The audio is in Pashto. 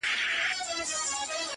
• تاله کوم ځایه راوړي دا کیسې دي ,